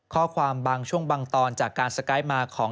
ข้อความบางช่วงบางตอนจากการสกายมาของ